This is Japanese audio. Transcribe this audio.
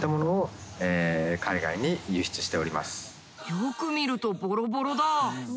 よく見るとボロボロだ。